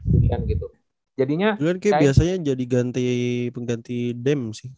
julian kayaknya biasanya jadi ganti pengganti dame sih